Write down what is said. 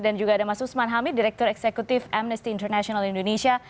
dan juga ada mas usman hamid direktur eksekutif amnesty international indonesia